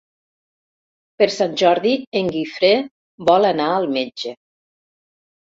Per Sant Jordi en Guifré vol anar al metge.